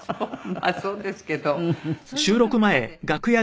まあそうですけど。